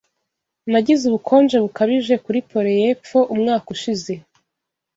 Nagize ubukonje bukabije kuri Pole yepfo umwaka ushize